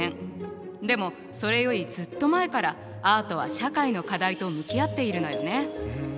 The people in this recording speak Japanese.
でもそれよりずっと前からアートは社会の課題と向き合っているのよね。